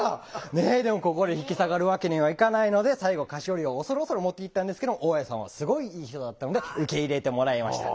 ねえでもここで引き下がるわけにはいかないので最後菓子折を恐る恐る持っていったんですけども大家さんはすごいいい人だったので受け入れてもらえました。